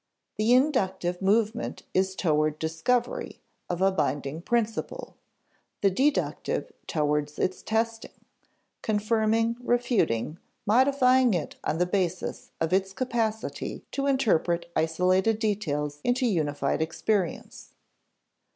The inductive movement is toward discovery of a binding principle; the deductive toward its testing confirming, refuting, modifying it on the basis of its capacity to interpret isolated details into a unified experience.